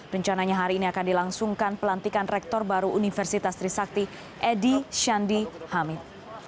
rencananya hari ini akan dilangsungkan pelantikan rektor baru universitas trisakti edi shandi hamid